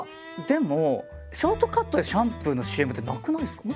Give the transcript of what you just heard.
でもショートカットでシャンプーのＣＭってなくないですか？